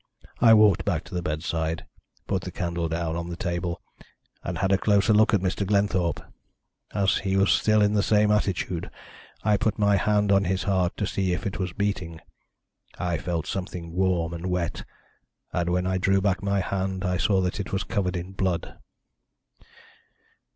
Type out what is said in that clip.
I walked back to the bedside, put the candle down on the table, and had a closer look at Mr. Glenthorpe. As he was still in the same attitude I put my hand on his heart to see if it was beating. I felt something warm and wet, and when I drew back my hand I saw that it was covered with blood.